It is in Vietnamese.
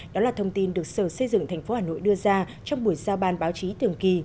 đó là thông tin được sở xây dựng thành phố hà nội đưa ra trong buổi giao ban báo chí thường kỳ